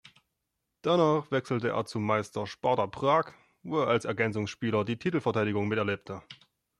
Danach wechselte er zum Meister Sparta Prag, wo er als Ergänzungsspieler die Titelverteidigung miterlebte.